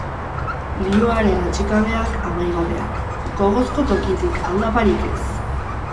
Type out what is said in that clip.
Lihoaren atsekabeak, amaigabeak. Gogozko tokitik, aldaparik ez!